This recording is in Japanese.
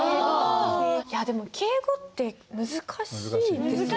いやでも敬語って難しいですよね。